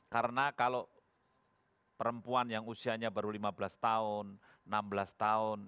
karena kalau perempuan yang usianya baru lima belas tahun enam belas tahun